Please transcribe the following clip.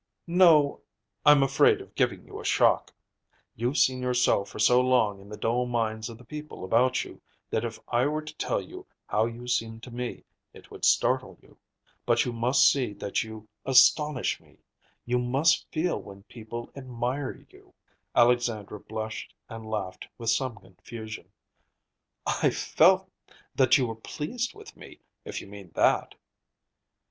"No, I'm afraid of giving you a shock. You've seen yourself for so long in the dull minds of the people about you, that if I were to tell you how you seem to me, it would startle you. But you must see that you astonish me. You must feel when people admire you." Alexandra blushed and laughed with some confusion. "I felt that you were pleased with me, if you mean that."